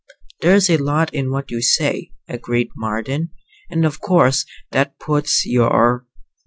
"There's a lot in what you say," agreed Marden. "And of course that puts your